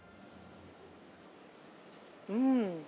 ◆うん。